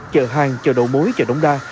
chợ hàng chợ đậu mối chợ đông đa